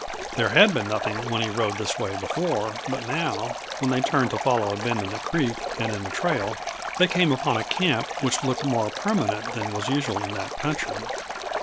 There had been nothing when he rode this way before, but now, when they turned to follow a bend in the creek and in the trail, they came upon a camp which looked more permanent than was usual in that country.